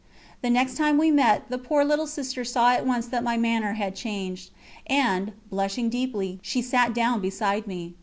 The next time we met, the poor little Sister saw at once that my manner had changed, and, blushing deeply, she sat down beside me.